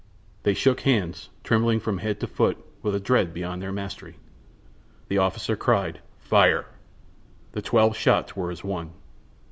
They shook hands, trembling from head to foot with a dread beyond their mastery. The officer cried: "Fire!" The twelve shots were as one.